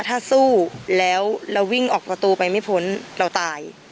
ถ้าสู้แล้วแล้ววิ่งออกตัวตัวไปไม่พ้นเราตาย